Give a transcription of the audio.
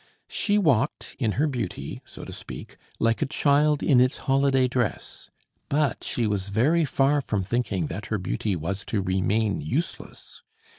She walked, in her beauty, so to speak, like a child in its holiday dress; but she was very far from thinking that her beauty was to remain useless.